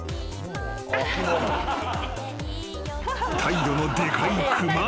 ［態度のでかい熊］